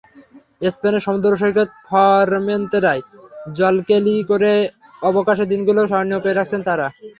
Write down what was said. স্পেনের সমুদ্রসৈকত ফরমেনতেরায় জলকেলি করে অবকাশের দিনগুলো স্মরণীয় করে রাখছেন তাঁরা।